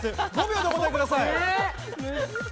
５秒でお答えください。